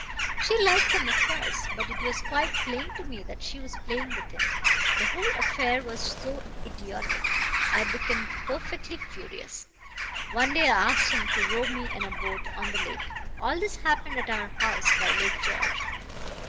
She liked him, of course; but it was quite plain to me that she was playing with him. The whole affair was so idiotic, I became perfectly furious. One day I asked him to row me in a boat on the lake all this happened at our house by Lake George.